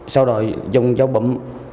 sau đó dùng dao bấm